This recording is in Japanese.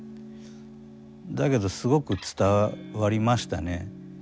だけどすごく伝わりましたね。